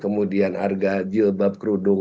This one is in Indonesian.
kemudian harga jilbab kerudung rp tujuh